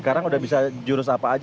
sekarang udah bisa jurus apa aja